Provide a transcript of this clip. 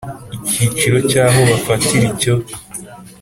Icyiciro cya aho bafatira icyo